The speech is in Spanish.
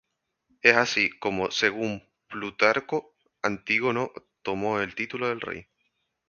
Es así, como según Plutarco, Antígono tomó el título de rey.